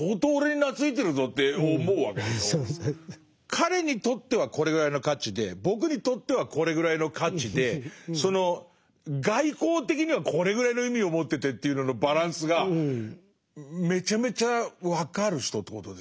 彼にとってはこれぐらいの価値で僕にとってはこれぐらいの価値でその外交的にはこれぐらいの意味を持っててというののバランスがめちゃめちゃ分かる人ということですね。